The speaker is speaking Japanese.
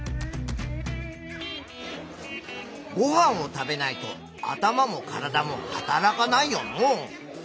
ごはんを食べないと頭も体も働かないよのう。